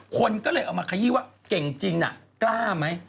คนก็เลยเอามาขยี้ว่าเก่งจริงน่ะกล้าไหม